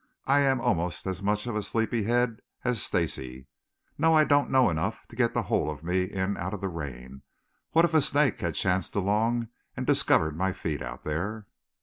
"I am almost as much of a sleepy head as Stacy. No, I don't know enough to get the whole of me in out of the rain. What if a snake had chanced along and discovered my feet out there?"